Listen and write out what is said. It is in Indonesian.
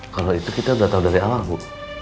kalau itu kita udah tau dari allah bu